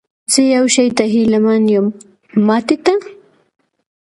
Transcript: زه یو شي ته هیله من یم، ماتې ته؟